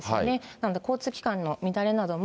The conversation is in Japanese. なので交通機関の乱れなども。